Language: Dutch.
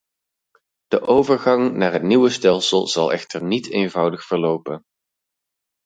De overgang naar het nieuwe stelsel zal echter niet eenvoudig verlopen.